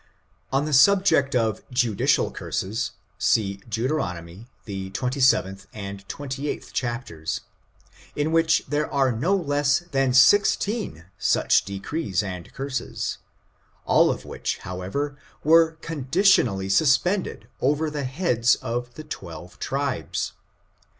On the subject o{ judicial curses, see Deuteronomy, the 27tli and 28th chapters, in which there are no less than sixteen such decrees or curses, all of which, however, were conditionally suspended over the heads of the twelve tribes.